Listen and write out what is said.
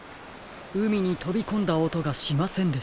うみにとびこんだおとがしませんでしたね。